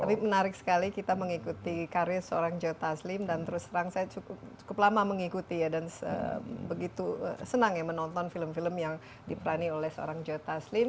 tapi menarik sekali kita mengikuti karya seorang joe taslim dan terus terang saya cukup lama mengikuti ya dan begitu senang ya menonton film film yang diperani oleh seorang joe taslim